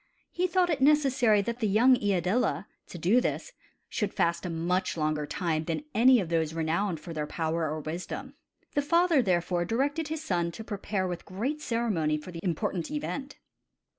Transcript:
He thought it necessary that the young Iadilla, to do this, should fast a much longer time than any of those renowned for their power or wisdom. The father therefore directed his son to prepare with great ceremony for the important event.